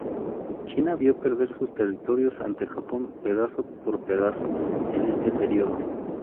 China vio perder sus territorios ante Japón pedazo por pedazo en este periodo.